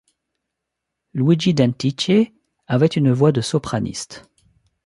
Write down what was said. Luigi Dentice avait une voix de sopraniste.